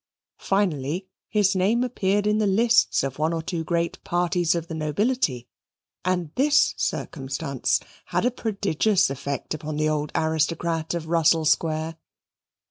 Finally, his name appeared in the lists of one or two great parties of the nobility, and this circumstance had a prodigious effect upon the old aristocrat of Russell Square.